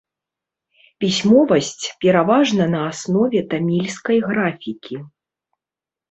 Пісьмовасць пераважна на аснове тамільскай графікі.